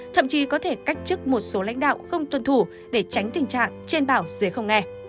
thậm chí có thể cách chức một số lãnh đạo không tuân thủ để tránh tình trạng trên bảo dưới không nghe